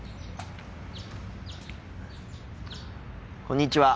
こんにちは。